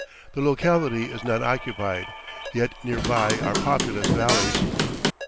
The locality is not occupied, yet near by are populous valleys.